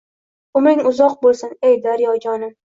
Umring uzoq bo‘lsin, ey daryojonim